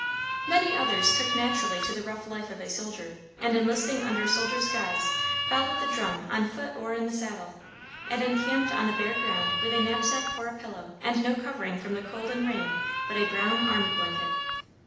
Many others took naturally to the rough life of a soldier, and enlisting under soldiers' guise followed the drum on foot or in the saddle, and encamped on the bare ground with a knapsack for a pillow and no covering from the cold and rain but a brown army blanket.